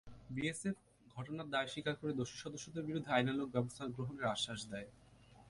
BSF ঘটনার দায় স্বীকার করে দোষী সদস্যদের বিরুদ্ধে আইনানুগ ব্যবস্থা গ্রহণের আশ্বাস দেয়।